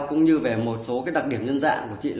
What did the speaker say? cũng như về một số đặc điểm nhân dạng của chị